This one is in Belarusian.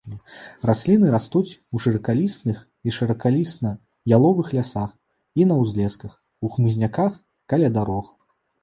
Расліны растуць у шыракалістых і шыракаліста-яловых лясах і на ўзлесках, у хмызняках, каля дарог.